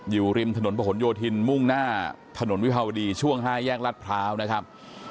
อยู่ริมถนนประหลโยธินมุ่งหน้าถนนวิภาวดีช่วง๕แยกรัฐพร้าวนะครับ